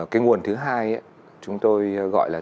cái nguồn thứ hai ấy chúng tôi gọi là